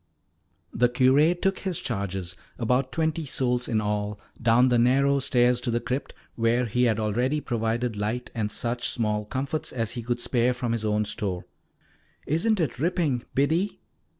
The Curé took his charges, about twenty souls in all, down the narrow stairs to the crypt, where he had already provided light and such small comforts as he could spare from his own store. "Isn't it ripping, Biddy?"